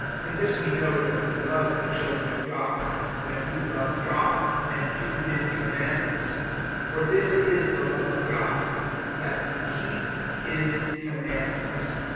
(2)In this we know that we love the children of God, when we love God, and do his commandments. (3)For this is the love of God, that we keep his commandments.